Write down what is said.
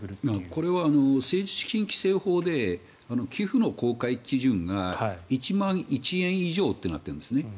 これは政治資金規正法で寄付の公開基準が１万１円以上ってなっているんですね。